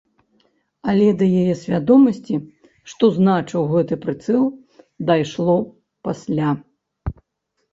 Але да яе свядомасці, што значыў гэты прыцэл, дайшло пасля.